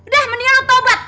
dah mendingan lo tobat